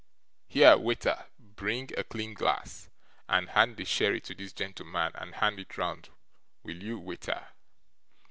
here, wai ter! bring a clean glass, and hand the sherry to this gentleman and hand it round, will you, waiter?